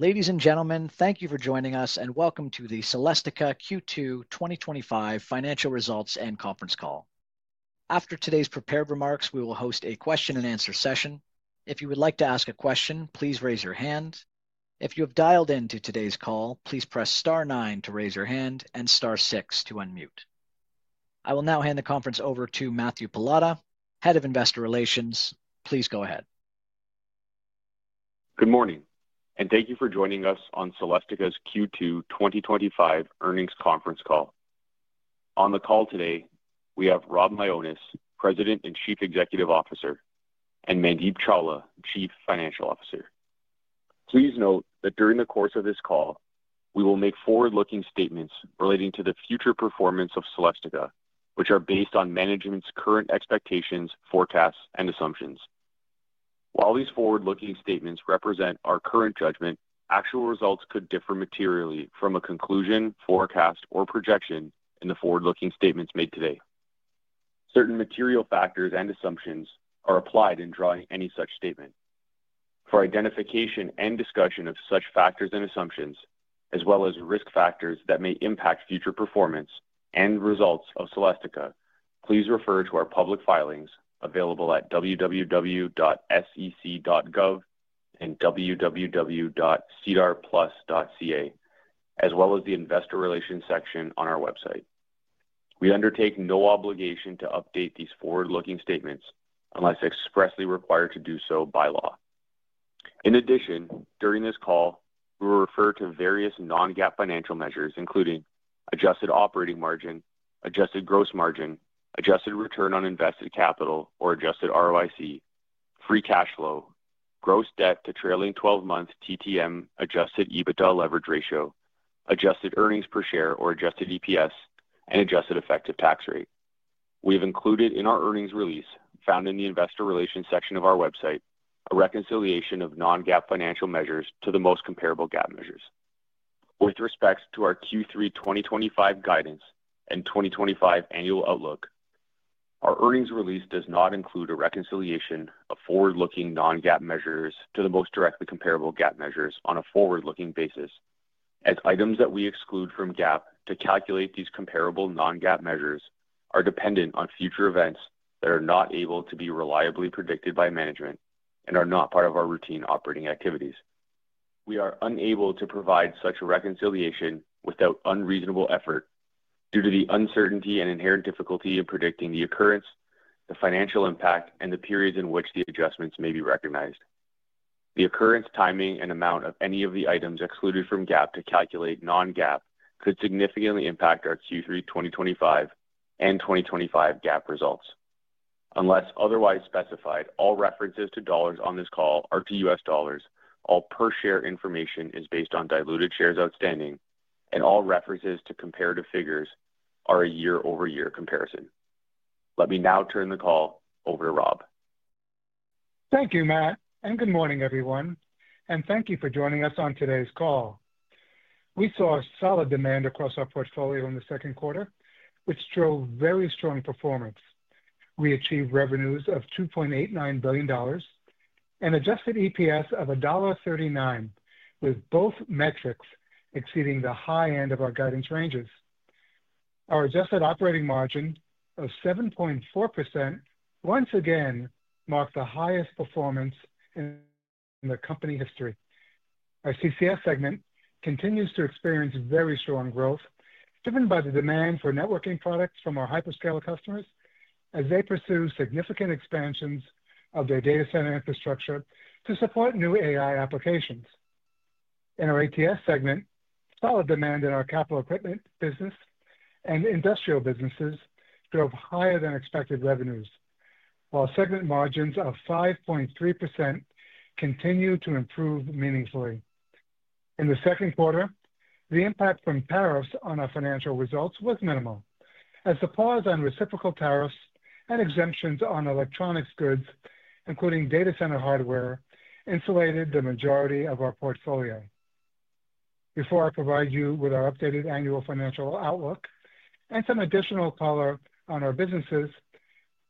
Ladies and gentlemen, thank you for joining us, and welcome to the Celestica Q2 2025 Financial Results and Conference Call. After today's prepared remarks, we will host a question-and-answer session. If you would like to ask a question, please raise your hand. If you have dialed into today's call, please press star nine to raise your hand and star six to unmute. I will now hand the conference over to Matthew Pallotta, Head of Investor Relations. Please go ahead. Good morning, and thank you for joining us on Celestica's Q2 2025 Earnings Conference Call. On the call today, we have Rob Mionis, President and Chief Executive Officer, and Mandeep Chawla, Chief Financial Officer. Please note that during the course of this call, we will make forward-looking statements relating to the future performance of Celestica, which are based on management's current expectations, forecasts, and assumptions. While these forward-looking statements represent our current judgment, actual results could differ materially from a conclusion, forecast, or projection in the forward-looking statements made today. Certain material factors and assumptions are applied in drawing any such statement. For identification and discussion of such factors and assumptions, as well as risk factors that may impact future performance and results of Celestica, please refer to our public filings available at www.sec.gov and www.sedarplus.ca, as well as the Investor Relations section on our website. We undertake no obligation to update these forward-looking statements unless expressly required to do so by law. In addition, during this call, we will refer to various non-GAAP financial measures, including adjusted operating margin, adjusted gross margin, adjusted return on invested capital, or adjusted ROIC, free cash flow, gross debt to trailing 12-month TTM, adjusted EBITDA leverage ratio, adjusted earnings per share, or adjusted EPS, and adjusted effective tax rate. We have included in our earnings release, found in the Investor Relations section of our website, a reconciliation of non-GAAP financial measures to the most comparable GAAP measures. With respect to our Q3 2025 guidance and 2025 annual outlook, our earnings release does not include a reconciliation of forward-looking non-GAAP measures to the most directly comparable GAAP measures on a forward-looking basis, as items that we exclude from GAAP to calculate these comparable non-GAAP measures are dependent on future events that are not able to be reliably predicted by management and are not part of our routine operating activities. We are unable to provide such a reconciliation without unreasonable effort due to the uncertainty and inherent difficulty in predicting the occurrence, the financial impact, and the periods in which the adjustments may be recognized. The occurrence, timing, and amount of any of the items excluded from GAAP to calculate non-GAAP could significantly impact our Q3 2025 and 2025 GAAP results. Unless otherwise specified, all references to dollars on this call are to U.S. dollars, all per-share information is based on diluted shares outstanding, and all references to comparative figures are a year-over-year comparison. Let me now turn the call over to Rob. Thank you, Matt, and good morning, everyone. Thank you for joining us on today's call. We saw solid demand across our portfolio in the second quarter, which drove very strong performance. We achieved revenues of $2.89 billion and adjusted EPS of $1.39, with both metrics exceeding the high end of our guidance ranges. Our adjusted operating margin of 7.4% once again marked the highest performance in the company history. Our CCS segment continues to experience very strong growth, driven by the demand for networking products from our hyperscaler customers as they pursue significant expansions of their data center infrastructure to support new AI applications. In our ATS segment, solid demand in our capital equipment business and industrial businesses drove higher-than-expected revenues, while segment margins of 5.3% continued to improve meaningfully. In the second quarter, the impact from tariffs on our financial results was minimal, as the pause on reciprocal tariffs and exemptions on electronics goods, including data center hardware, insulated the majority of our portfolio. Before I provide you with our updated annual financial outlook and some additional color on our businesses,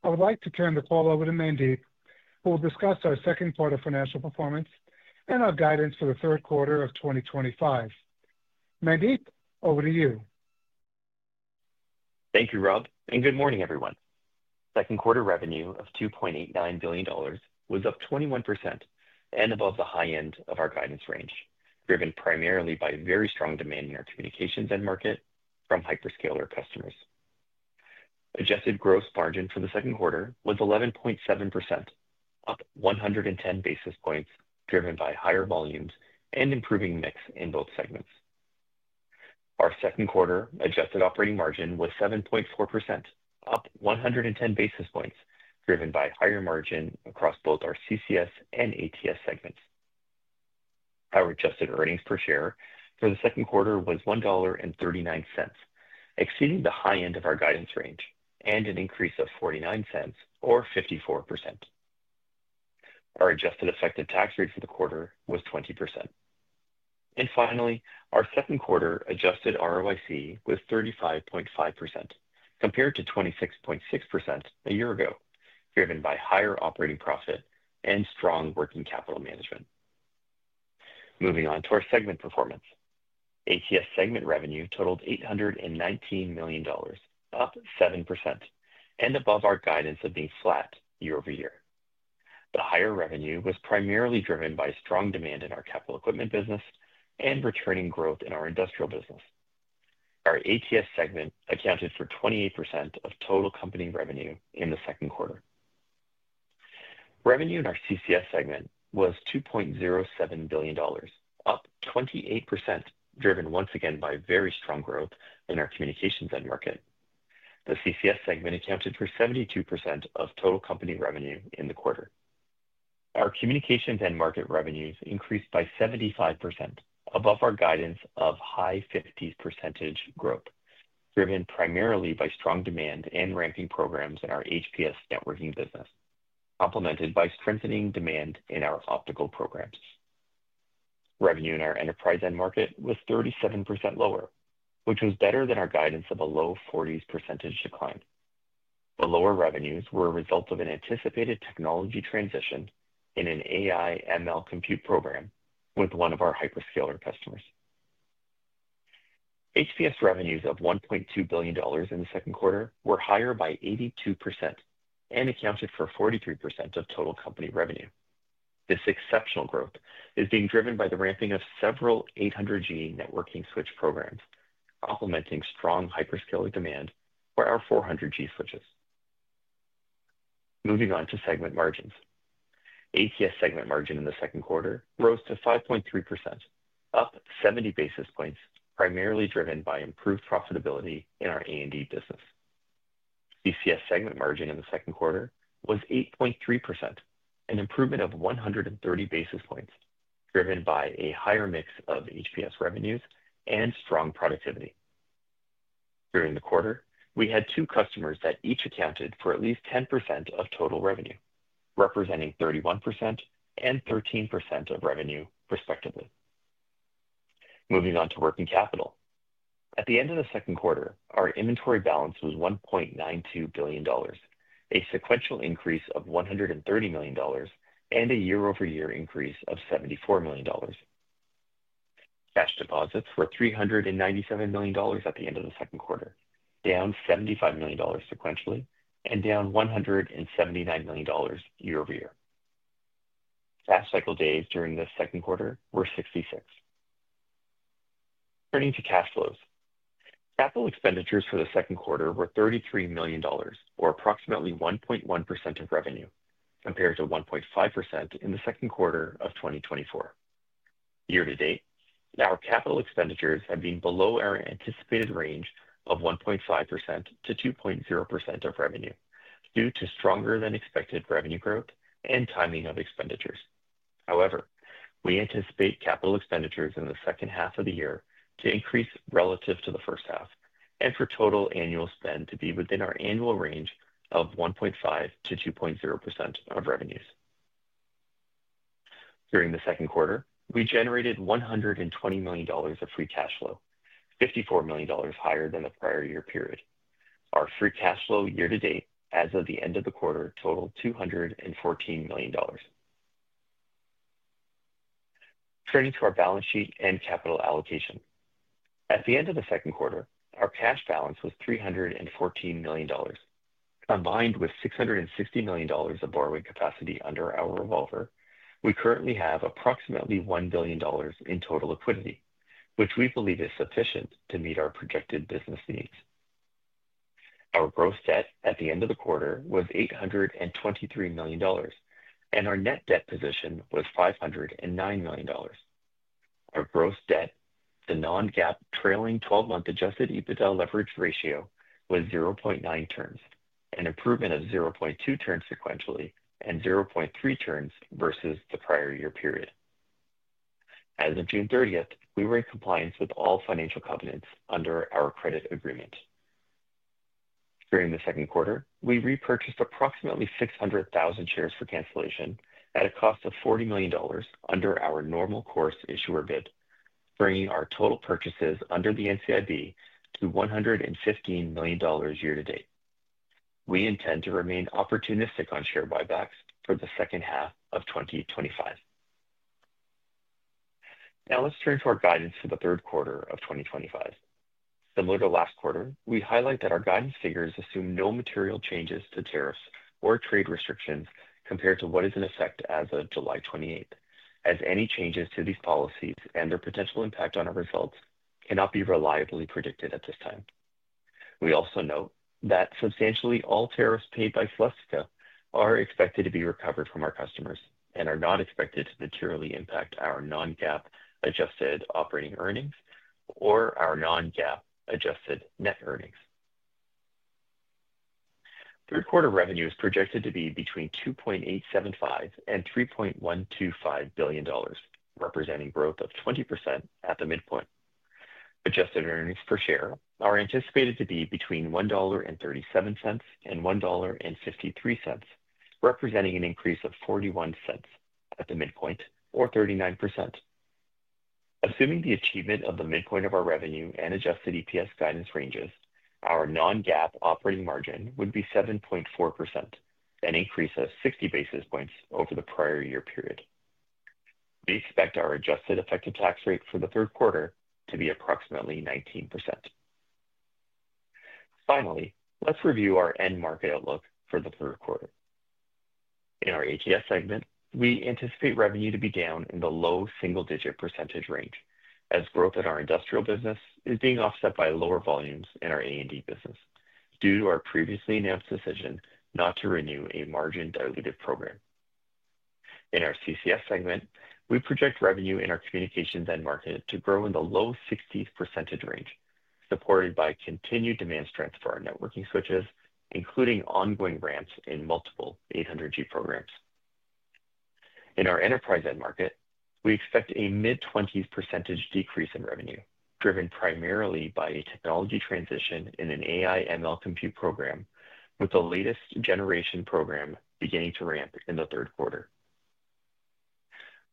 I would like to turn the call over to Mandeep, who will discuss our second quarter financial performance and our guidance for the third quarter of 2025. Mandeep, over to you. Thank you, Rob. Good morning, everyone. Second quarter revenue of $2.89 billion was up 21% and above the high end of our guidance range, driven primarily by very strong demand in our communications end market from hyperscaler customers. Adjusted gross margin for the second quarter was 11.7%, up 110 basis points, driven by higher volumes and improving mix in both segments. Our second quarter adjusted operating margin was 7.4%, up 110 basis points, driven by higher margin across both our CCS and ATS segments. Our adjusted earnings per share for the second quarter was $1.39, exceeding the high end of our guidance range and an increase of $0.49, or 54%. Our adjusted effective tax rate for the quarter was 20%. Finally, our second quarter adjusted ROIC was 35.5%, compared to 26.6% a year ago, driven by higher operating profit and strong working capital management. Moving on to our segment performance, ATS segment revenue totaled $819 million, up 7%, and above our guidance of being flat year-over-year. The higher revenue was primarily driven by strong demand in our capital equipment business and returning growth in our industrial business. Our ATS segment accounted for 28% of total company revenue in the second quarter. Revenue in our CCS segment was $2.07 billion, up 28%, driven once again by very strong growth in our communications end market. The CCS segment accounted for 72% of total company revenue in the quarter. Our communications end market revenues increased by 75%, above our guidance of high 50% growth, driven primarily by strong demand and ramping programs in our HPS networking business, complemented by strengthening demand in our optical programs. Revenue in our enterprise end market was 37% lower, which was better than our guidance of a low 40s percentage decline. The lower revenues were a result of an anticipated technology transition in an AI/ML compute program with one of our hyperscaler customers. HPS revenues of $1.2 billion in the second quarter were higher by 82% and accounted for 43% of total company revenue. This exceptional growth is being driven by the ramping of several 800G networking switch programs, complementing strong hyperscaler demand for our 400G switches. Moving on to segment margins. ATS segment margin in the second quarter rose to 5.3%, up 70 basis points, primarily driven by improved profitability in our A&D business. CCS segment margin in the second quarter was 8.3%, an improvement of 130 basis points, driven by a higher mix of HPS revenues and strong productivity. During the quarter, we had two customers that each accounted for at least 10% of total revenue, representing 31% and 13% of revenue, respectively. Moving on to working capital. At the end of the second quarter, our inventory balance was $1.92 billion, a sequential increase of $130 million, and a year-over-year increase of $74 million. Cash deposits were $397 million at the end of the second quarter, down $75 million sequentially, and down $179 million year-over-year. Cash cycle days during the second quarter were 66. Turning to cash flows. Capital expenditures for the second quarter were $33 million, or approximately 1.1% of revenue, compared to 1.5% in the second quarter of 2024. Year-to-date, our capital expenditures have been below our anticipated range of 1.5%-2.0% of revenue due to stronger-than-expected revenue growth and timing of expenditures. However, we anticipate capital expenditures in the second half of the year to increase relative to the first half and for total annual spend to be within our annual range of 1.5%-2.0% of revenues. During the second quarter, we generated $120 million of free cash flow, $54 million higher than the prior year period. Our free cash flow year-to-date, as of the end of the quarter, totaled $214 million. Turning to our balance sheet and capital allocation. At the end of the second quarter, our cash balance was $314 million. Combined with $660 million of borrowing capacity under our revolver, we currently have approximately $1 billion in total liquidity, which we believe is sufficient to meet our projected business needs. Our gross debt at the end of the quarter was $823 million, and our net debt position was $509 million. Our gross debt, the non-GAAP trailing twelve-month adjusted EBITDA leverage ratio, was 0.9 turns, an improvement of 0.2 turns sequentially and 0.3 turns versus the prior year period. As of June 30th, we were in compliance with all financial covenants under our credit agreement. During the second quarter, we repurchased approximately 600,000 shares for cancellation at a cost of $40 million under our normal course issuer bid, bringing our total purchases under the NCIB to $115 million year-to-date. We intend to remain opportunistic on share buybacks for the second half of 2025. Now, let's turn to our guidance for the third quarter of 2025. Similar to last quarter, we highlight that our guidance figures assume no material changes to tariffs or trade restrictions compared to what is in effect as of July 28, as any changes to these policies and their potential impact on our results cannot be reliably predicted at this time. We also note that substantially all tariffs paid by Celestica are expected to be recovered from our customers and are not expected to materially impact our non-GAAP adjusted operating earnings or our non-GAAP adjusted net earnings. Third quarter revenue is projected to be between $2.875 billion and $3.125 billion, representing growth of 20% at the midpoint. Adjusted earnings per share are anticipated to be between $1.37 and $1.53, representing an increase of $0.41 at the midpoint, or 39%. Assuming the achievement of the midpoint of our revenue and adjusted EPS guidance ranges, our non-GAAP operating margin would be 7.4%, an increase of 60 basis points over the prior year period. We expect our adjusted effective tax rate for the third quarter to be approximately 19%. Finally, let's review our end market outlook for the third quarter. In our ATS segment, we anticipate revenue to be down in the low single-digit percentage range, as growth in our industrial business is being offset by lower volumes in our A&D business due to our previously announced decision not to renew a margin diluted program. In our CCS segment, we project revenue in our communications end market to grow in the low 60s percentage range, supported by continued demand strength for our networking switches, including ongoing ramps in multiple 800G programs. In our enterprise end market, we expect a mid-20s percentage decrease in revenue, driven primarily by a technology transition in an AI/ML compute program, with the latest generation program beginning to ramp in the third quarter.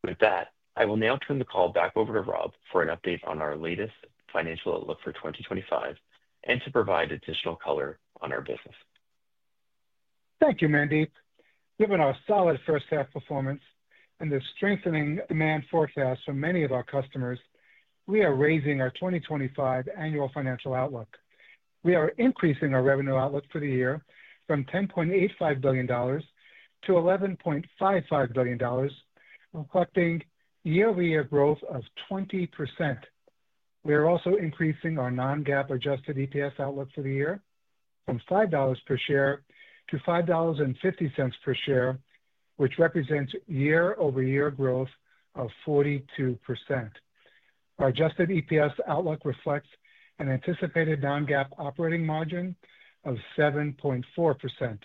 With that, I will now turn the call back over to Rob for an update on our latest financial outlook for 2025 and to provide additional color on our business. Thank you, Mandeep. Given our solid first half performance and the strengthening demand forecast from many of our customers, we are raising our 2025 annual financial outlook. We are increasing our revenue outlook for the year from $10.85 billion to $11.55 billion, reflecting year-over-year growth of 20%. We are also increasing our non-GAAP adjusted EPS outlook for the year from $5 per share to $5.50 per share, which represents year-over-year growth of 42%. Our adjusted EPS outlook reflects an anticipated non-GAAP operating margin of 7.4%.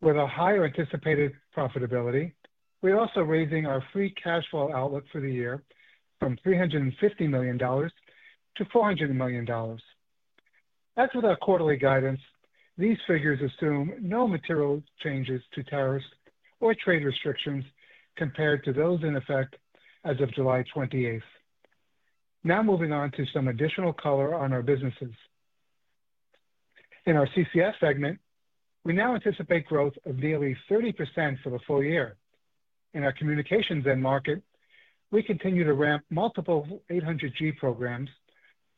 With a higher anticipated profitability, we're also raising our free cash flow outlook for the year from $350 million to $400 million. As with our quarterly guidance, these figures assume no material changes to tariffs or trade restrictions compared to those in effect as of July 28. Now, moving on to some additional color on our businesses. In our CCS segment, we now anticipate growth of nearly 30% for the full year. In our communications and market, we continue to ramp multiple 800G programs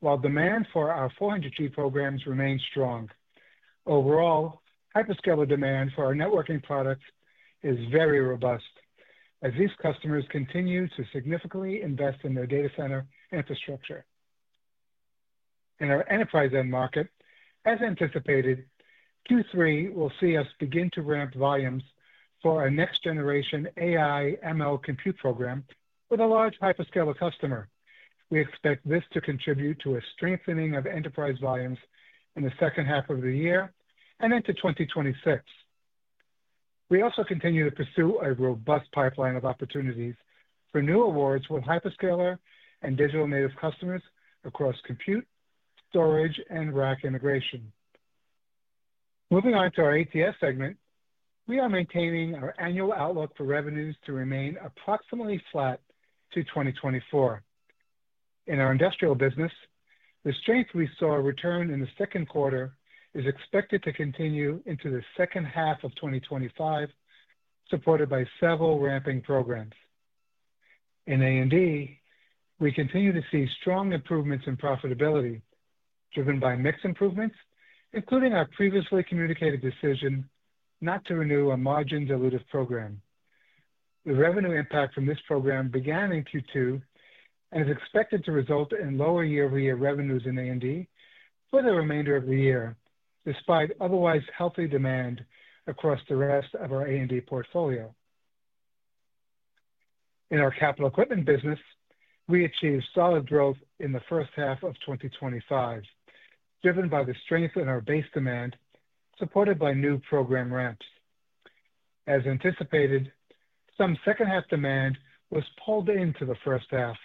while demand for our 400G programs remains strong. Overall, hyperscaler demand for our networking products is very robust as these customers continue to significantly invest in their data center infrastructure. In our enterprise and market, as anticipated, Q3 will see us begin to ramp volumes for our next-generation AI/ML compute program with a large hyperscaler customer. We expect this to contribute to a strengthening of enterprise volumes in the second half of the year and into 2026. We also continue to pursue a robust pipeline of opportunities for new awards with hyperscaler and digital native customers across compute, storage, and rack integration. Moving on to our ATS segment, we are maintaining our annual outlook for revenues to remain approximately flat to 2024. In our industrial business, the strength we saw return in the second quarter is expected to continue into the second half of 2025, supported by several ramping programs. In A&D, we continue to see strong improvements in profitability driven by mix improvements, including our previously communicated decision not to renew a margin-diluted program. The revenue impact from this program began in Q2 and is expected to result in lower year-over-year revenues in A&D for the remainder of the year, despite otherwise healthy demand across the rest of our A&D portfolio. In our capital equipment business, we achieved solid growth in the first half of 2025, driven by the strength in our base demand supported by new program ramps. As anticipated, some second-half demand was pulled into the first half,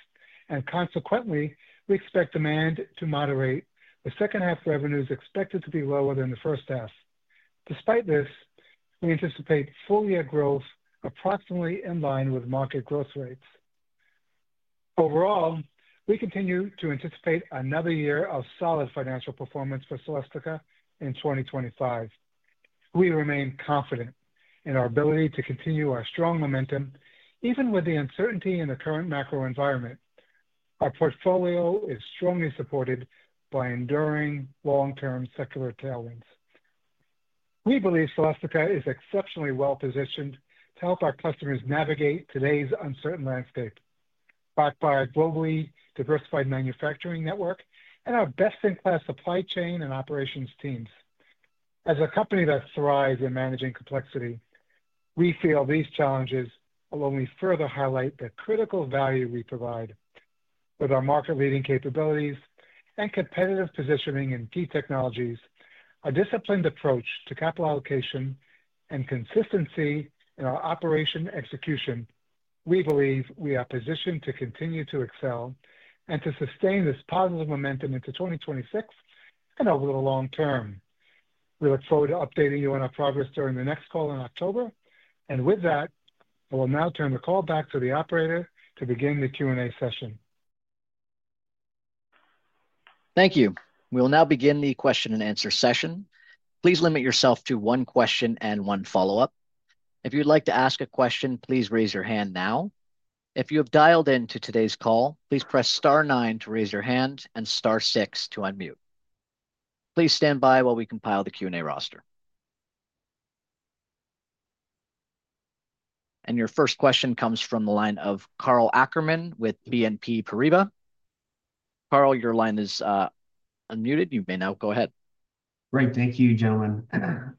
and consequently, we expect demand to moderate. The second-half revenues are expected to be lower than the first half. Despite this, we anticipate full-year growth, approximately in line with market growth rates. Overall, we continue to anticipate another year of solid financial performance for Celestica in 2025. We remain confident in our ability to continue our strong momentum even with the uncertainty in the current macro environment. Our portfolio is strongly supported by enduring long-term secular tailwinds. We believe Celestica is exceptionally well positioned to help our customers navigate today's uncertain landscape, backed by a globally diversified manufacturing network and our best-in-class supply chain and operations teams. As a company that thrives in managing complexity, we feel these challenges will only further highlight the critical value we provide. With our market-leading capabilities and competitive positioning in key technologies, our disciplined approach to capital allocation, and consistency in our operation execution, we believe we are positioned to continue to excel and to sustain this positive momentum into 2026 and over the long-term. We look forward to updating you on our progress during the next call in October. I will now turn the call back to the operator to begin the Q&A session. Thank you. We will now begin the question-and-answer session. Please limit yourself to one question and one follow-up. If you'd like to ask a question, please raise your hand now. If you have dialed into today's call, please press star nine to raise your hand and star six to unmute. Please stand by while we compile the Q&A roster. Your first question comes from the line of Karl Ackerman with BNP Paribas. Karl, your line is unmuted. You may now go ahead. Great. Thank you, gentlemen.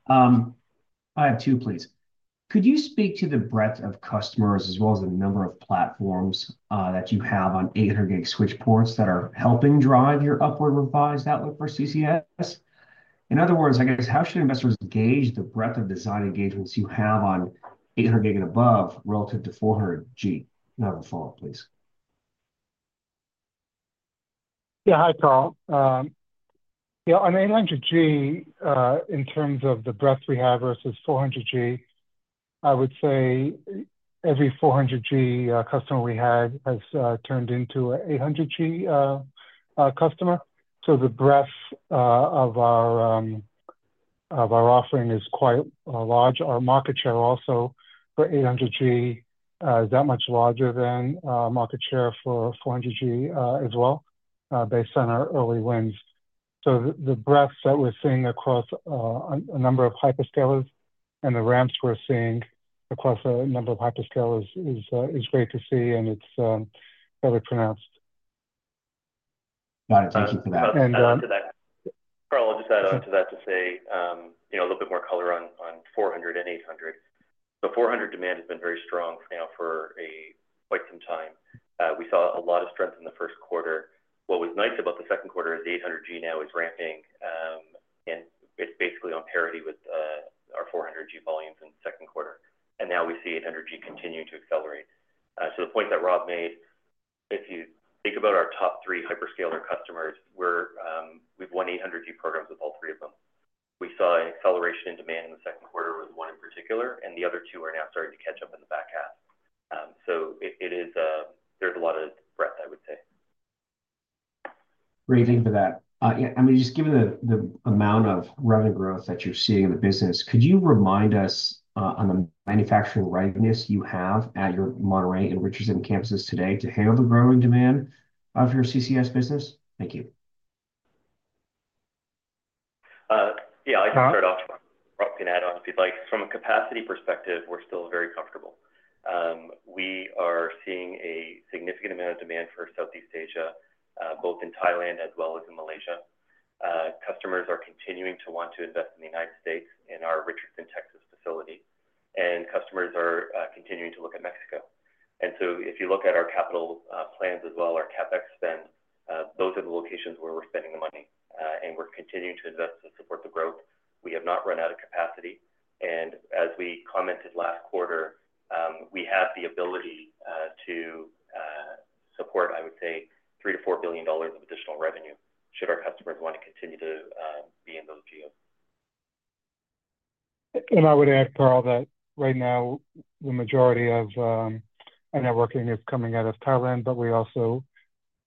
I have two, please. Could you speak to the breadth of customers as well as the number of platforms that you have on 800G switchboards that are helping drive your upward revised outlook for CCS? In other words, I guess, how should investors gauge the breadth of design engagements you have on 800G and above relative to 400G? The follow-up, please. Yeah. Hi, Karl. Yeah. On 800G. In terms of the breadth we have versus 400G, I would say every 400G customer we had has turned into an 800G customer. The breadth of our offering is quite large. Our market share also for 800G is that much larger than market share for 400G as well, based on our early wins. The breadth that we're seeing across a number of hyperscalers and the ramps we're seeing across a number of hyperscalers is great to see, and it's fairly pronounced. Got it. Thank you for that. Carl, I'll just add on to that to say a little bit more color on 400 and 800. The 400 demand has been very strong now for quite some time. We saw a lot of strength in the first quarter. What was nice about the second quarter is 800G now is ramping. And it is basically on parity with our 400G volumes in the second quarter. And now we see 800G continue to accelerate. The point that Rob made, if you think about our top three hyperscaler customers, we have won 800G programs with all three of them. We saw an acceleration in demand in the second quarter with one in particular, and the other two are now starting to catch up in the back half. There is a lot of breadth, I would say. Great thing for that. I mean, just given the amount of revenue growth that you are seeing in the business, could you remind us on the manufacturing readiness you have at your Monterrey and Richardson campuses today to handle the growing demand of your CCS business? Thank you. Yeah. I can start off and Rob can add-on, if you would like. From a capacity perspective, we are still very comfortable. We are seeing a significant amount of demand for Southeast Asia, both in Thailand as well as in Malaysia. Customers are continuing to want to invest in the United States in our Richardson, Texas facility. Customers are continuing to look at Mexico. If you look at our capital plans as well, our CapEx spend, those are the locations where we are spending the money. We are continuing to invest to support the growth. We have not run out of capacity. As we commented last quarter, we have the ability to support, I would say, $3 billion-$4 billion of additional revenue should our customers want to continue to be in those geos. I would add, Karl, that right now, the majority of our networking is coming out of Thailand, but we also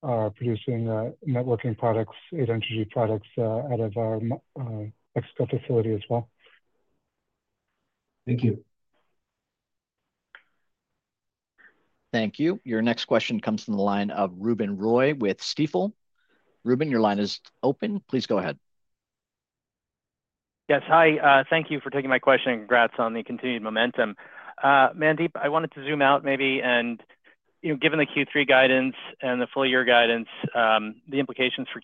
are producing networking products, 800G products out of our Mexico facility as well. Thank you. Thank you. Your next question comes from the line of Ruben Roy with Stifel. Ruben, your line is open. Please go ahead. Yes. Hi. Thank you for taking my question and congrats on the continued momentum. Mandeep, I wanted to zoom out maybe. Given the Q3 guidance and the full year guidance, the implications for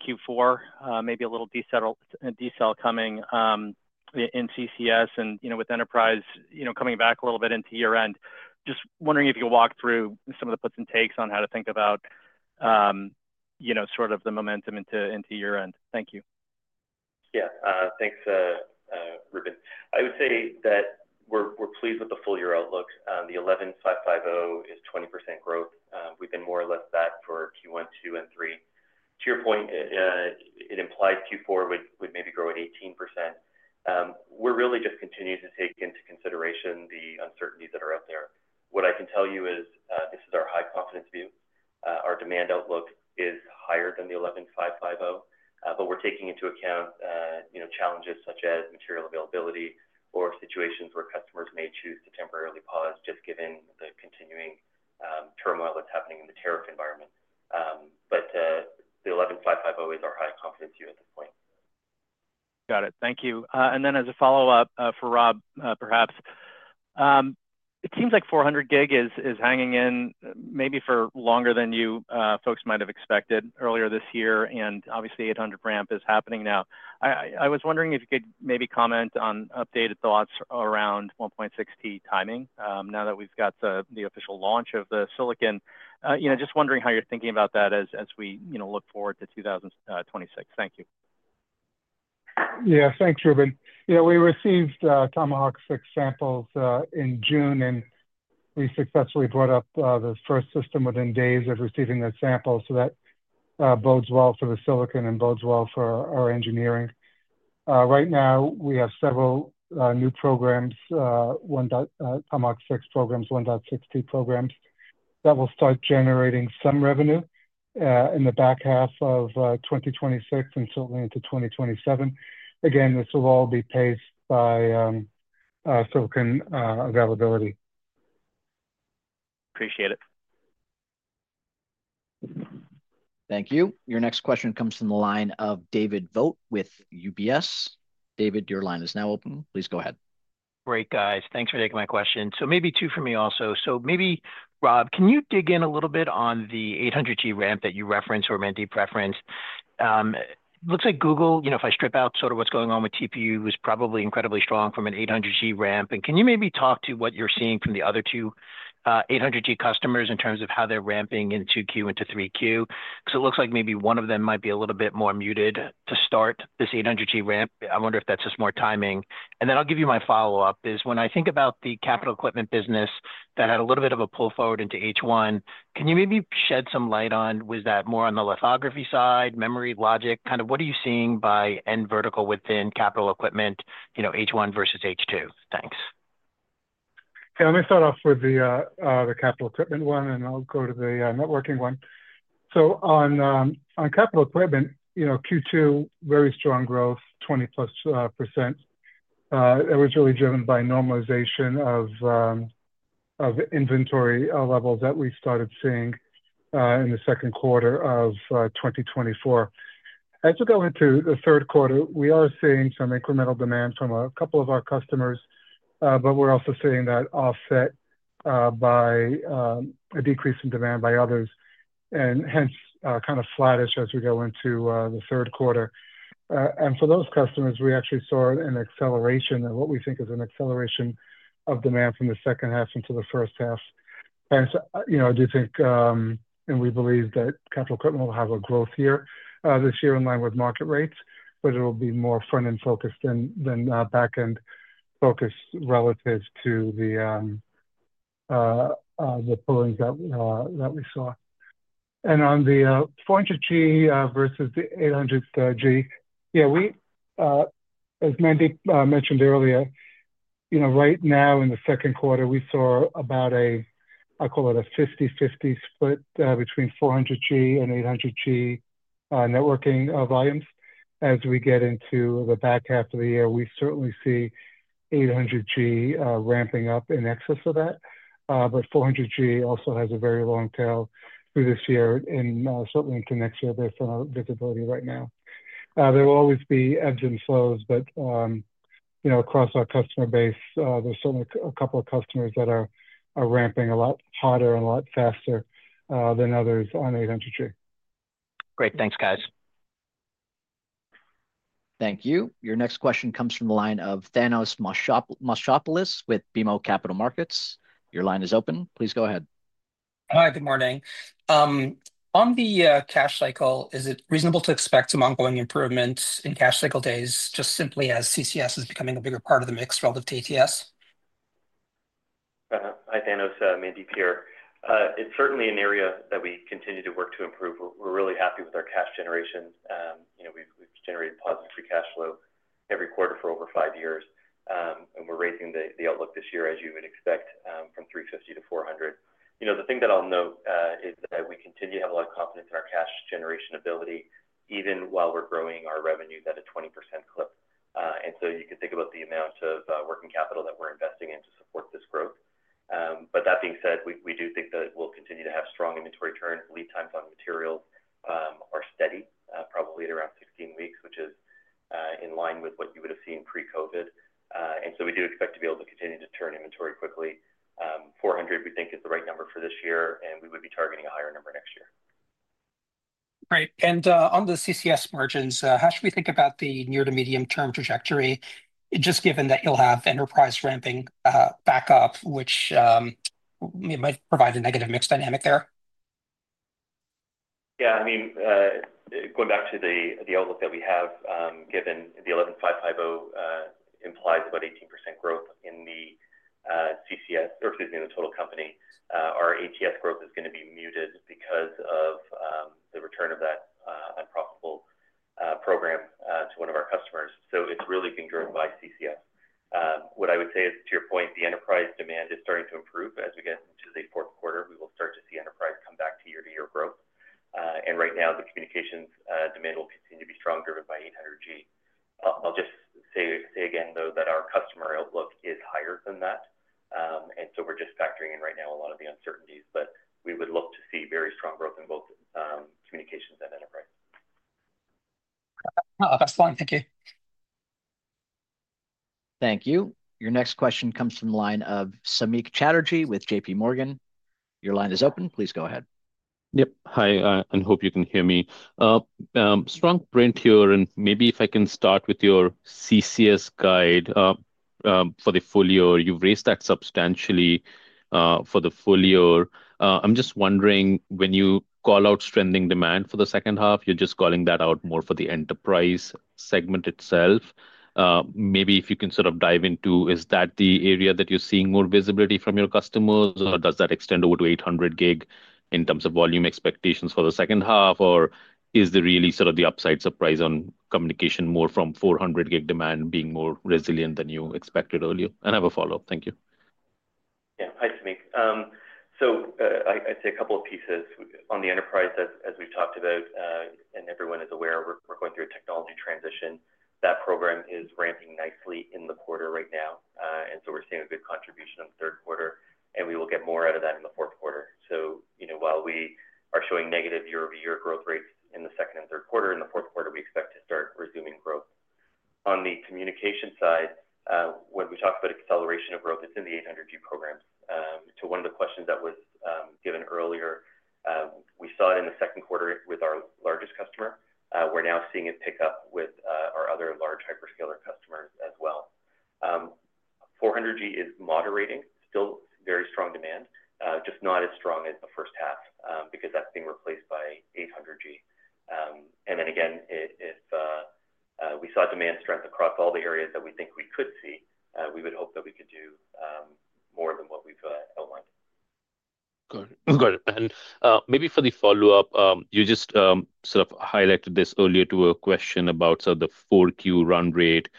Q4, maybe a little decel coming in CCS and with enterprise coming back a little bit into year-end, just wondering if you could walk through some of the puts and takes on how to think about sort of the momentum into year-end. Thank you. Yeah. Thanks, Ruben. I would say that we are pleased with the full year outlook. The 11,550 is 20% growth. We've been more or less that for Q1, Q2, and Q3. To your point. It implies Q4 would maybe grow at 18%. We're really just continuing to take into consideration the uncertainties that are out there. What I can tell you is this is our high-confidence view. Our demand outlook is higher than the 11,550. But we're taking into account challenges such as material availability or situations where customers may choose to temporarily pause just given the continuing turmoil that's happening in the tariff environment. But the 11,550 is our high-confidence view at this point. Got it. Thank you. And then as a follow-up for Rob, perhaps. It seems like 400G is hanging in maybe for longer than you folks might have expected earlier this year. And obviously, 800G ramp is happening now. I was wondering if you could maybe comment on updated thoughts around 1.6T timing now that we've got the official launch of the silicon. Just wondering how you're thinking about that as we look forward to 2026. Thank you. Yeah. Thanks, Ruben. We received Tomahawk 6 samples in June, and we successfully brought up the first system within days of receiving those samples. So that bodes well for the silicon and bodes well for our engineering. Right now, we have several new programs. Tomahawk 6 programs, 1.6T programs that will start generating some revenue in the back half of 2026 and certainly into 2027. Again, this will all be paced by silicon availability. Appreciate it. Thank you. Your next question comes from the line of David Vogt with UBS. David, your line is now open. Please go ahead. Great, guys. Thanks for taking my question. So maybe two for me also. So maybe, Rob, can you dig in a little bit on the 800G ramp that you referenced or Mandeep referenced? It looks like Google, if I strip out sort of what's going on with TPU, was probably incredibly strong from an 800G ramp. And can you maybe talk to what you're seeing from the other two 800G customers in terms of how they're ramping in 2Q into 3Q? Because it looks like maybe one of them might be a little bit more muted to start this 800G ramp. I wonder if that's just more timing. And then I'll give you my follow-up. When I think about the capital equipment business that had a little bit of a pull forward into H1, can you maybe shed some light on, was that more on the lithography side, memory, logic? Kind of what are you seeing by end vertical within capital equipment, H1 versus H2? Thanks. Yeah. Let me start off with the capital equipment one, and I'll go to the networking one. On capital equipment, Q2, very strong growth, 20+%. It was really driven by normalization of inventory levels that we started seeing in the second quarter of 2024. As we go into the third quarter, we are seeing some incremental demand from a couple of our customers, but we're also seeing that offset by a decrease in demand by others, and hence kind of flattish as we go into the third quarter. For those customers, we actually saw an acceleration of what we think is an acceleration of demand from the second half into the first half. I do think, and we believe, that capital equipment will have a growth year this year in line with market rates, but it will be more front-end focused than back-end focused relative to the pullings that we saw. On the 400G versus the 800G, yeah, as Mandeep mentioned earlier, right now in the second quarter, we saw about a, I call it a 50-50 split between 400G and 800G networking volumes. As we get into the back half of the year, we certainly see 800G ramping up in excess of that. 400G also has a very long tail through this year and certainly into next year based on our visibility right now. There will always be ebbs and flows, but across our customer base, there's certainly a couple of customers that are ramping a lot hotter and a lot faster than others on 800G. Great. Thanks, guys. Thank you. Your next question comes from the line of Thanos Moschopoulos with BMO Capital Markets. Your line is open. Please go ahead. Hi. Good morning. On the cash cycle, is it reasonable to expect some ongoing improvements in cash cycle days just simply as CCS is becoming a bigger part of the mix relative to TTS? Hi, Thanos. Mandeep here. It's certainly an area that we continue to work to improve. We're really happy with our cash generation. We've generated positive free cash flow every quarter for over five years. We're raising the outlook this year, as you would expect, from $350 million to $400 million. The thing that I'll note is that we continue to have a lot of confidence in our cash generation ability even while we're growing our revenues at a 20% clip. You could think about the amount of working capital that we're investing into support this growth. That being said, we do think that we'll continue to have strong inventory turns. Lead times on materials are steady, probably at around 16 weeks, which is in line with what you would have seen pre-COVID. We do expect to be able to continue to turn inventory quickly. 400, we think, is the right number for this year, and we would be targeting a higher number next year. Great. On the CCS margins, how should we think about the near-to-medium-term trajectory just given that you'll have enterprise ramping back up, which might provide a negative mix dynamic there? Yeah. I mean, going back to the outlook that we have, given the 11,550 implies about 18% growth in the CCS, or excuse me, in the total company, our ATS growth is going to be muted because of the return of that unprofitable program to one of our customers. It is really being driven by CCS. What I would say is, to your point, the enterprise demand is starting to improve. As we get into the fourth quarter, we will start to see enterprise come back to year-to-year growth. Right now, the communications demand will continue to be strong, driven by 800G. I'll just say again, though, that our customer outlook is higher than that. We are just factoring in right now a lot of the uncertainties. We would look to see very strong growth in both communications and enterprise. That's fine. Thank you. Thank you. Your next question comes from the line of Samik Chatterjee with JPMorgan. Your line is open. Please go ahead. Yep. Hi. I hope you can hear me. Strong brand here. Maybe if I can start with your CCS guide. For the folios. You've raised that substantially. For the full year. I'm just wondering, when you call out strengthening demand for the second half, you're just calling that out more for the Enterprise segment itself. Maybe if you can sort of dive into, is that the area that you're seeing more visibility from your customers, or does that extend over to 800G in terms of volume expectations for the second half, or is there really sort of the upside surprise on communication more from 400G demand being more resilient than you expected earlier? I have a follow-up. Thank you. Yeah. Hi, Samik. I'd say a couple of pieces. On the enterprise, as we've talked about, and everyone is aware, we're going through a technology transition. That program is ramping nicely in the quarter right now. We are seeing a good contribution in the third quarter. We will get more out of that in the fourth quarter. While we are showing negative year-over-year growth rates in the second and third quarter, in the fourth quarter, we expect to start resuming growth. On the communication side, when we talk about acceleration of growth, it is in the 800G programs. To one of the questions that was given earlier, we saw it in the second quarter with our largest customer. We are now seeing it pick up with our other large hyperscaler customers as well. 400G is moderating. Still very strong demand, just not as strong as the first half because that is being replaced by 800G. If we saw demand strength across all the areas that we think we could see, we would hope that we could do more than what we have outlined. Got it. And maybe for the follow-up, you just sort of highlighted this earlier to a question about the 4Q run rate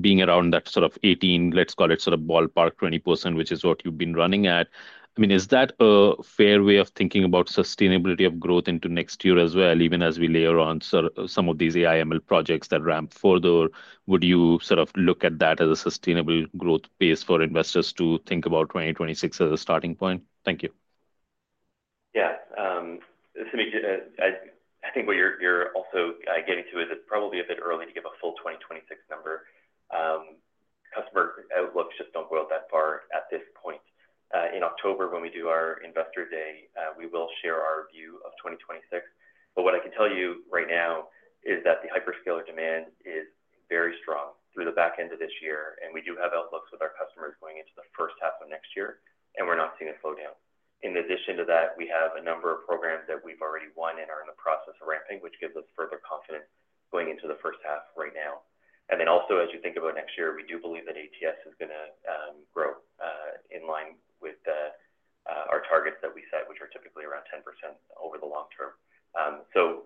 being around that sort of 18%, let us call it ballpark 20%, which is what you have been running at. I mean, is that a fair way of thinking about sustainability of growth into next year as well, even as we layer on some of these AI/ML projects that ramp further? Would you look at that as a sustainable growth pace for investors to think about 2026 as a starting point? Thank you. Yeah. Samik, I think what you are also getting to is it is probably a bit early to give a full 2026 number. Customer outlooks just do not go out that far at this point. In October, when we do our Investor Day, we will share our view of 2026. What I can tell you right now is that the hyperscaler demand is very strong through the back end of this year. We do have outlooks with our customers going into the first half of next year, and we are not seeing a slowdown. In addition to that, we have a number of programs that we have already won and are in the process of ramping, which gives us further confidence going into the first half right now. Also, as you think about next year, we do believe that ATS is going to grow in line with our targets that we set, which are typically around 10% over the long-term.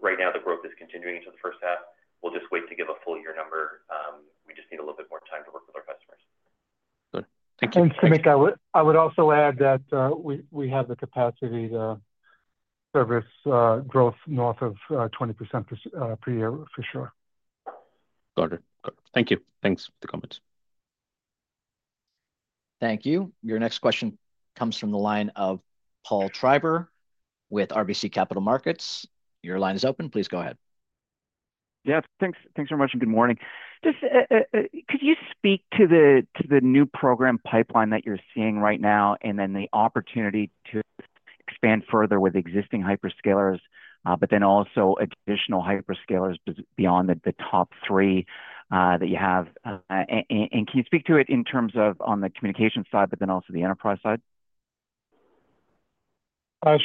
Right now, the growth is continuing into the first half. We will just wait to give a full year number. We just need a little bit more time to work with our customers. Good. Thank you. Samik, I would also add that we have the capacity to service growth north of 20% per year for sure. Got it. Thank you. Thanks for the comments. Thank you. Your next question comes from the line of Paul Treiber with RBC Capital Markets. Your line is open. Please go ahead. Yeah. Thanks very much. And good morning. Just. Could you speak to the new program pipeline that you're seeing right now and then the opportunity to expand further with existing hyperscalers, but then also additional hyperscalers beyond the top three that you have? And can you speak to it in terms of on the communications side, but then also the enterprise side?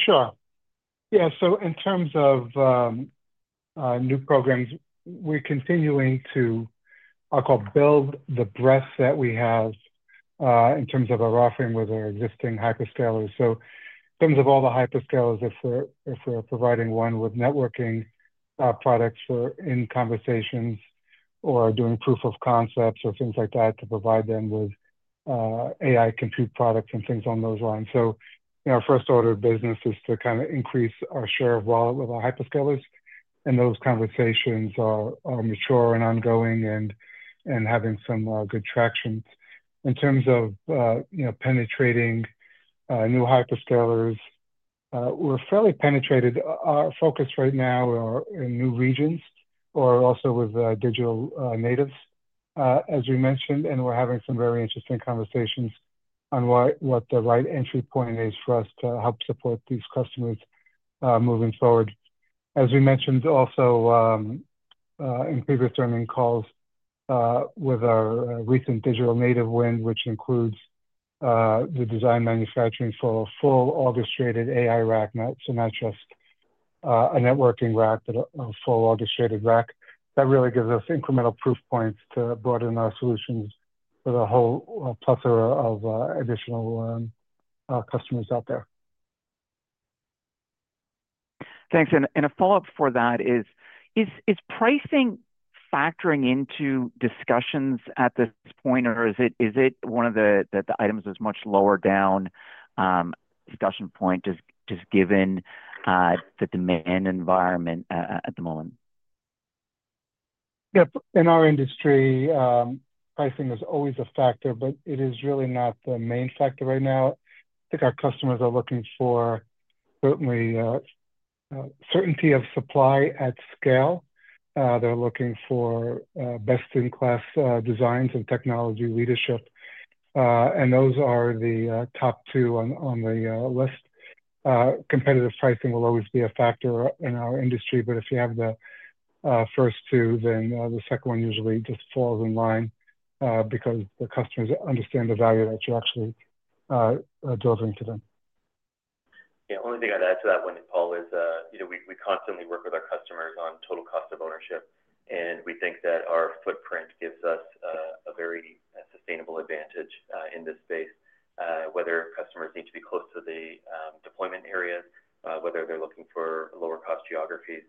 Sure. Yeah. So in terms of new programs, we're continuing to, I'll call, build the breadth that we have in terms of our offering with our existing hyperscalers. So in terms of all the hyperscalers, if we're providing one with networking products for in-conversations or doing proof of concepts or things like that to provide them with AI compute products and things on those lines. So our first order of business is to kind of increase our share of wallet with our hyperscalers. And those conversations are mature and ongoing and having some good traction. In terms of penetrating new hyperscalers, we're fairly penetrated. Our focus right now are in new regions or also with digital natives, as we mentioned. And we're having some very interesting conversations on what the right entry point is for us to help support these customers moving forward. As we mentioned also in previous earning calls, with our recent digital native win, which includes the design manufacturing for a full orchestrated AI rack, so not just a networking rack, but a full orchestrated rack. That really gives us incremental proof points to broaden our solutions for the whole plethora of additional customers out there. Thanks. And a follow-up for that is. Is pricing factoring into discussions at this point, or is it one of the items that's much lower down discussion point just given the demand environment at the moment? Yeah. In our industry, pricing is always a factor, but it is really not the main factor right now. I think our customers are looking for certainly certainty of supply at scale. They're looking for best-in-class designs and technology leadership. And those are the top two on the list. Competitive pricing will always be a factor in our industry, but if you have the first two, then the second one usually just falls in line because the customers understand the value that you're actually delivering to them. Yeah. The only thing I'd add to that one, Paul, is we constantly work with our customers on total cost of ownership. We think that our footprint gives us a very sustainable advantage in this space, whether customers need to be close to the deployment areas, whether they're looking for lower-cost geographies.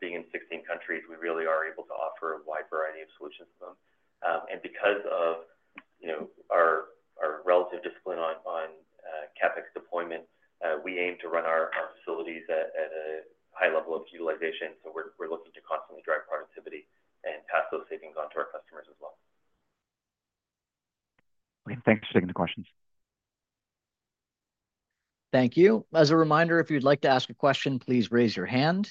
Being in 16 countries, we really are able to offer a wide variety of solutions to them. Because of our relative discipline on CapEx deployment, we aim to run our facilities at a high level of utilization. We are looking to constantly drive productivity and pass those savings on to our customers as well. Thanks for taking the questions. Thank you. As a reminder, if you'd like to ask a question, please raise your hand.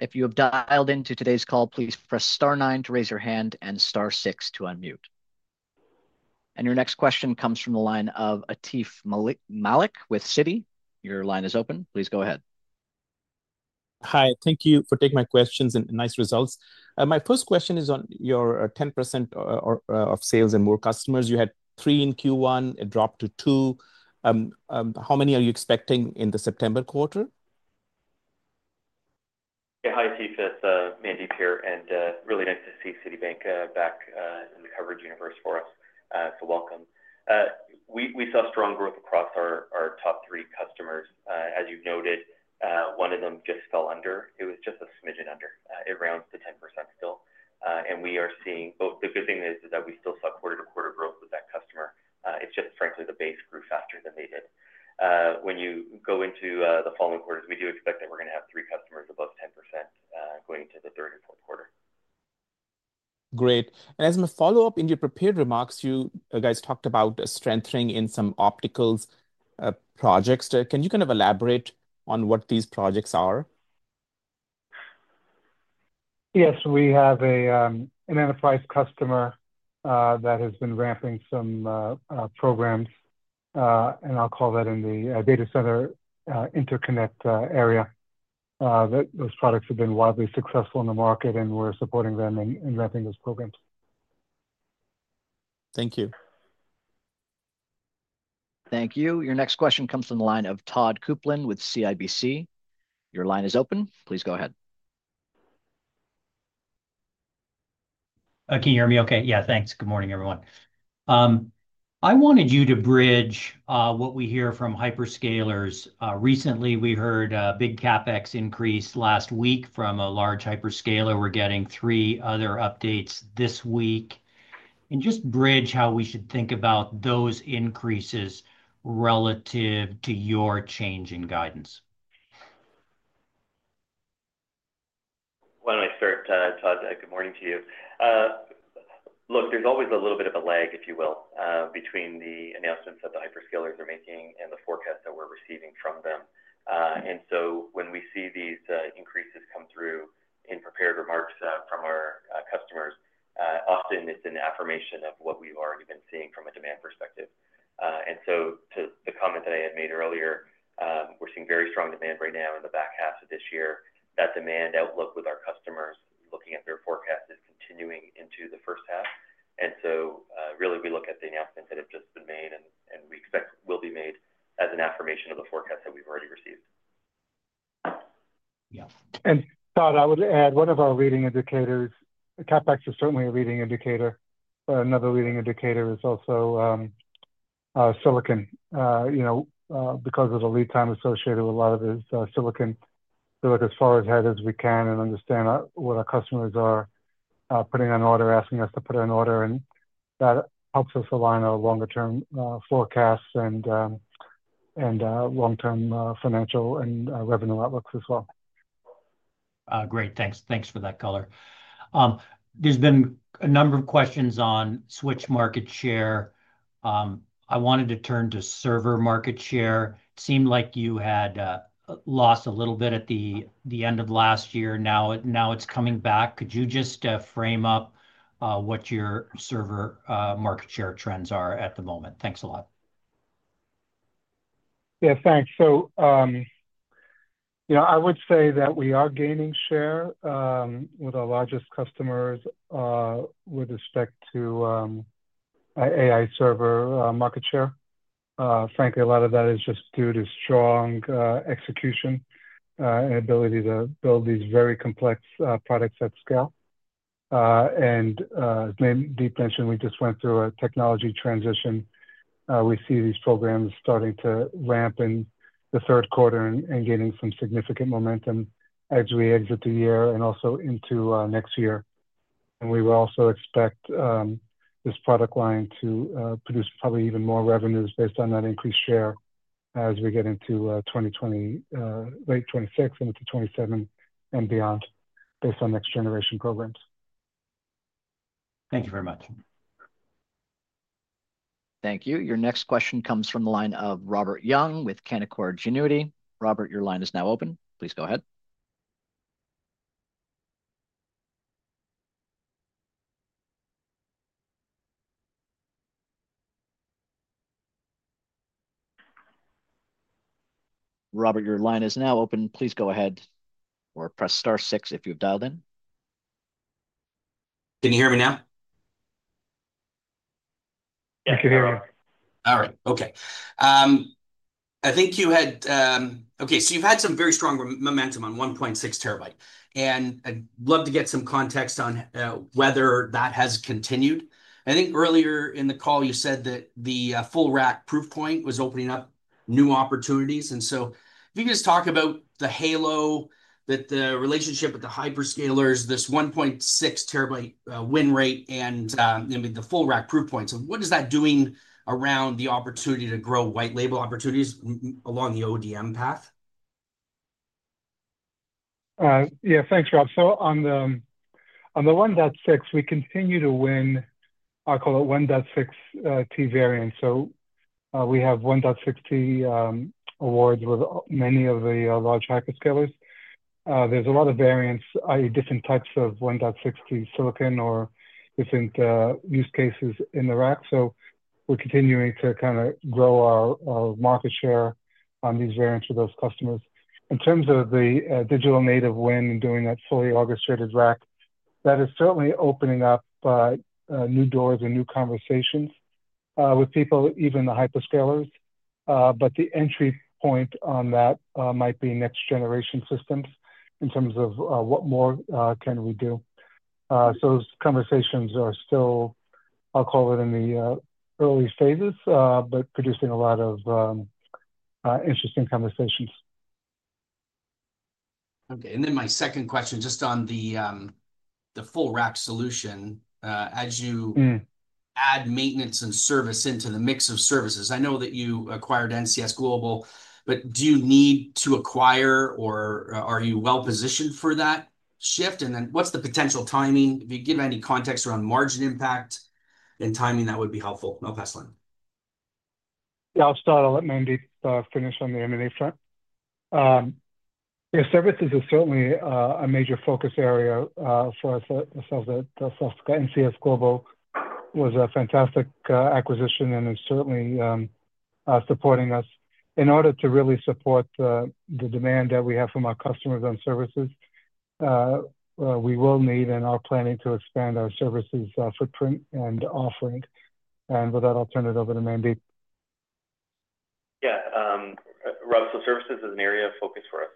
If you have dialed into today's call, please press star nine to raise your hand and star six to unmute. Your next question comes from the line of Atif Malik with Citi. Your line is open. Please go ahead. Hi. Thank you for taking my questions and nice results. My first question is on your 10% of sales and more customers. You had three in Q1. It dropped to two. How many are you expecting in the September quarter? Yeah. Hi, Atif. It's Mandeep here. Really nice to see Citibank back in the coverage universe for us. Welcome. We saw strong growth across our top three customers. As you've noted, one of them just fell under. It was just a smidgen under. It rounds to 10% still. We are seeing both. The good thing is that we still saw quarter-to-quarter growth with that customer. It's just, frankly, the base grew faster than they did. When you go into the following quarters, we do expect that we're going to have three customers above 10% going into the third and fourth quarter. Great. As a follow-up, in your prepared remarks, you guys talked about strengthening in some opticals projects. Can you kind of elaborate on what these projects are? Yes. We have an enterprise customer that has been ramping some programs. I'll call that in the data center interconnect area. Those products have been widely successful in the market, and we're supporting them in ramping those programs. Thank you. Thank you. Your next question comes from the line of Todd Coupland with CIBC. Your line is open. Please go ahead. Can you hear me okay? Yeah. Thanks. Good morning, everyone. I wanted you to bridge what we hear from hyperscalers. Recently, we heard a big CapEx increase last week from a large hyperscaler. We're getting three other updates this week. Just bridge how we should think about those increases relative to your change in guidance. Why don't I start, Todd? Good morning to you. Look, there's always a little bit of a lag, if you will, between the announcements that the hyperscalers are making and the forecasts that we're receiving from them. When we see these increases come through in prepared remarks from our customers, often it's an affirmation of what we've already been seeing from a demand perspective. To the comment that I had made earlier, we're seeing very strong demand right now in the back half of this year. That demand outlook with our customers looking at their forecasts is continuing into the first half. We look at the announcements that have just been made, and we expect will be made as an affirmation of the forecasts that we've already received. Yeah. Todd, I would add one of our reading indicators. CapEx is certainly a reading indicator, but another reading indicator is also silicon. Because of the lead time associated with a lot of it is silicon. We look as far ahead as we can and understand what our customers are putting on order, asking us to put on order. That helps us align our longer-term forecasts and long-term financial and revenue outlooks as well. Great. Thanks. Thanks for that, Todd. There's been a number of questions on switch market share. I wanted to turn to server market share. It seemed like you had lost a little bit at the end of last year. Now it's coming back. Could you just frame up what your server market share trends are at the moment? Thanks a lot. Yeah. Thanks. I would say that we are gaining share with our largest customers. With respect to AI server market share. Frankly, a lot of that is just due to strong execution and ability to build these very complex products at scale. As Mandeep mentioned, we just went through a technology transition. We see these programs starting to ramp in the third quarter and gaining some significant momentum as we exit the year and also into next year. We will also expect this product line to produce probably even more revenues based on that increased share as we get into late 2026 and into 2027 and beyond based on next-generation programs. Thank you very much. Thank you. Your next question comes from the line of Robert Young with Canaccord Genuity. Robert, your line is now open. Please go ahead. Robert, your line is now open. Please go ahead. Or press star six if you've dialed in. Can you hear me now? Yeah. I can hear you. All right. Okay. I think you had—okay. You have had some very strong momentum on 1.6 TB. I would love to get some context on whether that has continued. I think earlier in the call, you said that the full rack proof point was opening up new opportunities. If you could just talk about the Halo, the relationship with the hyperscalers, this 1.6 TB win rate, and the full rack proof points. What is that doing around the opportunity to grow white-label opportunities along the ODM path? Yeah. Thanks, Rob. On the 1.6, we continue to win, I will call it 1.6T variants. We have 1.6T awards with many of the large hyperscalers. There are a lot of variants, different types of 1.6T silicon or different use cases in the rack. We are continuing to kind of grow our market share on these variants for those customers. In terms of the digital native win and doing that fully orchestrated rack, that is certainly opening up new doors and new conversations with people, even the hyperscalers. The entry point on that might be next-generation systems in terms of what more we can do. Those conversations are still, I will call it, in the early stages, but producing a lot of interesting conversations. Okay. My second question, just on the full rack solution, as you add maintenance and service into the mix of services. I know that you acquired NCS Global, but do you need to acquire, or are you well-positioned for that shift? What is the potential timing? If you give any context around margin impact and timing, that would be helpful. I will pass on. Yeah. I will start. I will let Mandeep finish on the M&A front. Services is certainly a major focus area for us. NCS Global was a fantastic acquisition and is certainly supporting us. In order to really support the demand that we have from our customers on services, we will need and are planning to expand our services footprint and offering. With that, I will turn it over to Mandeep. Yeah. Rob, services is an area of focus for us.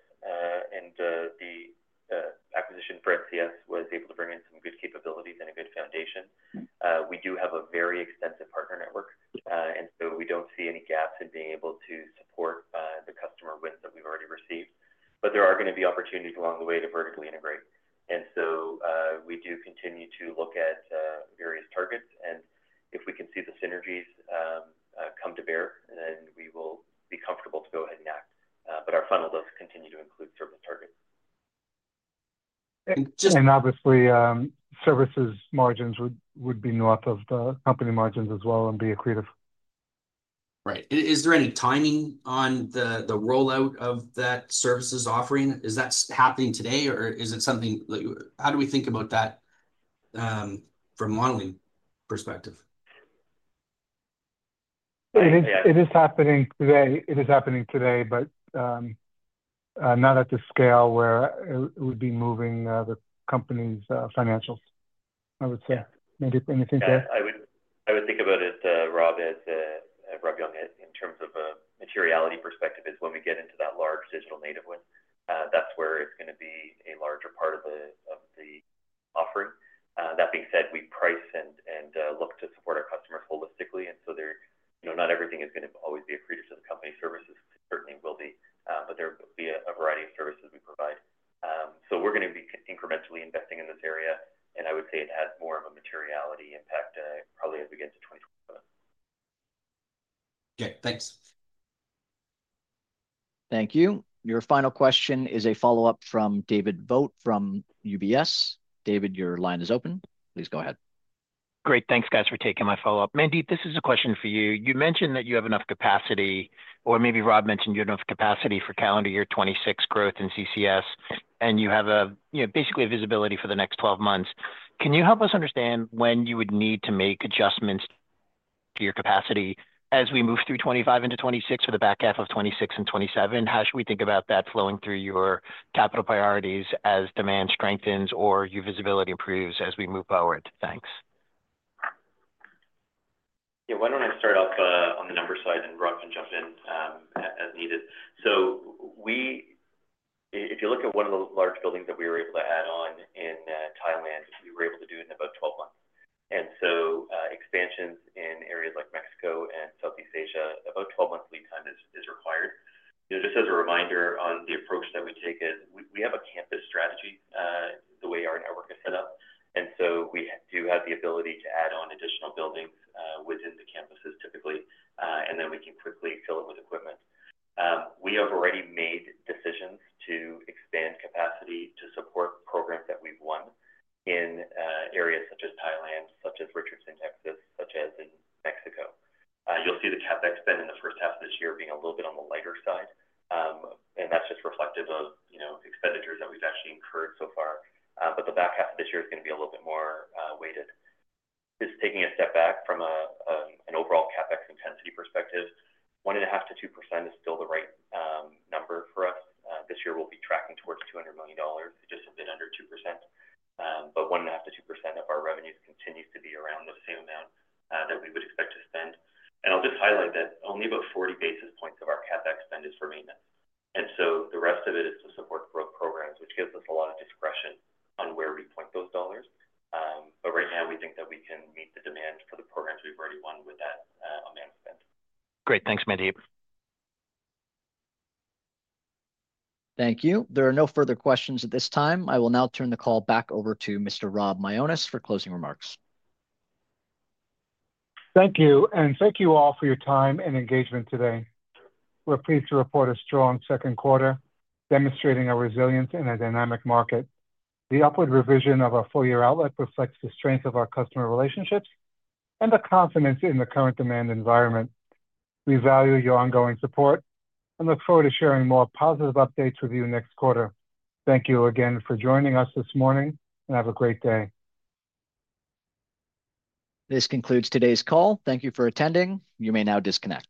The acquisition for NCS was able to bring in some good capabilities and a good foundation. We do have a very extensive partner network, and we do not see any gaps in being able to support the customer wins that we have already received. There are going to be opportunities along the way to vertically integrate. We do continue to look at various targets. If we can see the synergies come to bear, then we will be comfortable to go ahead and act. But our funnel does continue to include service targets. Obviously, services margins would be north of the company margins as well and be accretive. Right. Is there any timing on the rollout of that services offering? Is that happening today, or is it something—how do we think about that from a modeling perspective? It is happening today. It is happening today, but not at the scale where it would be moving the company's financials, I would say. Mandeep, anything to add? I would think about it, Rob, as—Rob Young, in terms of a materiality perspective, is when we get into that large digital native win, that's where it's going to be a larger part of the offering. That being said, we price and look to support our customers holistically. Not everything is going to always be accretive to the company. Services certainly will be, but there will be a variety of services we provide. We are going to be incrementally investing in this area, and I would say it has more of a materiality impact probably as we get to 2026. Okay. Thanks. Thank you. Your final question is a follow-up from David Vogt from UBS. David, your line is open. Please go ahead. Great. Thanks, guys, for taking my follow-up. Mandeep, this is a question for you. You mentioned that you have enough capacity, or maybe Rob mentioned you have enough capacity for calendar year 2026 growth in CCS, and you have basically visibility for the next 12 months. Can you help us understand when you would need to make adjustments to your capacity as we move through 2025 into 2026 for the back half of 2026 and 2027? How should we think about that flowing through your capital priorities as demand strengthens or your visibility improves as we move forward? Thanks. Yeah. Why don't I start off on the numbers side and Rob can jump in as needed? If you look at one of the large buildings that we were able to add on in Thailand, we were able to do it in about 12 months. Expansions in areas like Mexico and Southeast Asia, about 12 months lead time is required. Just as a reminder on the approach that we take is we have a campus strategy the way our network is set up. We do have the ability to add on additional buildings within the campuses typically, and then we can quickly fill it with equipment. We have already made decisions to expand capacity to support programs that we've won in areas such as Thailand, such as Richardson, Texas, such as in Mexico. You'll see the CapEx spend in the first half of this year being a little bit on the lighter side. That's just reflective of expenditures that we've actually incurred so far. The back half of this year is going to be a little bit more weighted. Just taking a step back from an overall CapEx intensity perspective, 1.5-2% is still the right number for us. This year, we'll be tracking towards $200 million. It just has been under 2%. 1.5-2% of our revenues continues to be around the same amount that we would expect to spend. I'll just highlight that only about 40 basis points of our CapEx spend is for maintenance. The rest of it is to support growth programs, which gives us a lot of discretion on where we point those dollars. Right now, we think that we can meet the demand for the programs we've already won with that amount of spend. Great. Thanks, Mandeep. Thank you. There are no further questions at this time. I will now turn the call back over to Mr. Rob Mionis for closing remarks. Thank you. Thank you all for your time and engagement today. We're pleased to report a strong second quarter demonstrating our resilience in a dynamic market. The upward revision of our full-year outlook reflects the strength of our customer relationships and the confidence in the current demand environment. We value your ongoing support and look forward to sharing more positive updates with you next quarter. Thank you again for joining us this morning, and have a great day. This concludes today's call. Thank you for attending. You may now disconnect.